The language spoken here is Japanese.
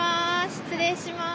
失礼します。